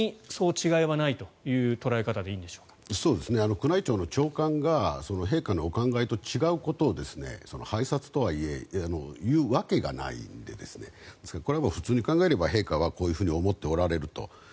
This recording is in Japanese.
宮内庁長官が陛下のお考えと違うことを拝察とはいえ言うわけがないのでこれはもう普通に考えれば陛下はこういうふうに思っておられると。